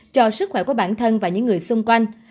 cho sức khỏe của bản thân và những người xung quanh